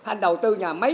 anh đầu tư nhà máy